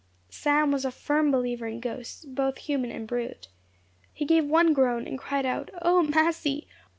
Sam was a firm believer in ghosts, both human and brute. He gave one groan, and cried out, "O massy!"